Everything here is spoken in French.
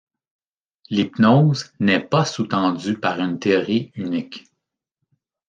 L'hypnose n'est pas sous-tendue par une théorie unique.